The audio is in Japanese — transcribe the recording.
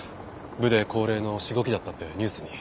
部で恒例のしごきだったってニュースに。